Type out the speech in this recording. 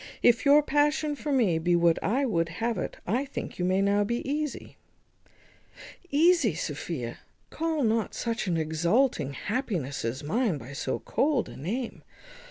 If your passion for me be what I would have it, I think you may now be easy." "Easy! Sophia, call not such an exulting happiness as mine by so cold a name.